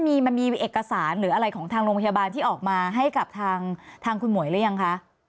มันมีเอกสารหรืออะไรของทางโรงพยาบาลที่ออกมาให้กับทางคุณหมวยหรือยังคะ